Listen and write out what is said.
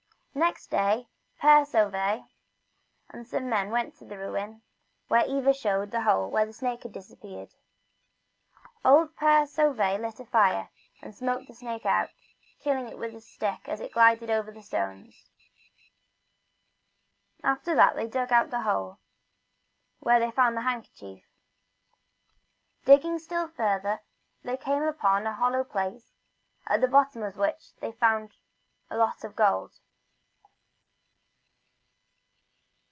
Next day, Pere Sauvet and some men went to the ruin, where Eva showed the hole where the snake had disappeared. Old Pere Sauvet lit a fire, and smoked the snake out, killing it with a stick as it glided over the stones. F 2 68 Eva's Luck. After that they dug out the hole, when they found the handkerchief. Digging still further along, they came upon a hollow place, at the bottom of which they found a lot of gold.